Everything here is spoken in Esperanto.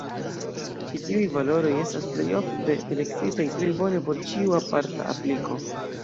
Ĉi tiuj valoroj estas plejofte elektitaj plej bone por ĉiu aparta apliko.